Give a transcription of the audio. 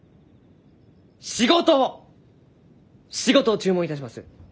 仕事を仕事を注文いたします。